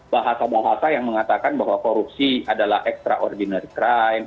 bahasa bahasa yang mengatakan bahwa korupsi adalah extraordinary crime